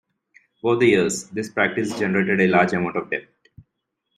Over the years, this practice generated a large amount of debt.